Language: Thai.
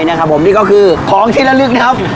นะครับผมนี่ก็คือของทิ้นละลึกครับ